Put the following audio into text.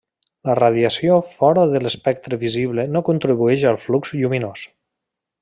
La radiació fora de l'espectre visible no contribueix al flux lluminós.